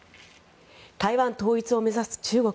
台湾統一を目指す中国。